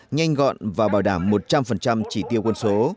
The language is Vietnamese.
nhanh gọn và bảo đảm một trăm linh chỉ tiêu quân số